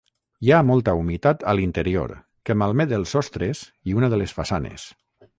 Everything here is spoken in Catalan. Hi ha molta humitat a l'interior que malmet els sostres i una de les façanes.